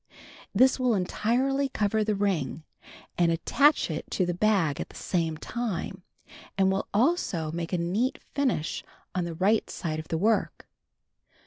This will entirely cover the ring, and attach it to the bag at the same time, and will also make a neat finish on the right side of the work.